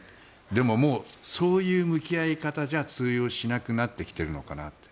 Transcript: でも、もうそういう向き合い方じゃ通用しなくなってきているのかな。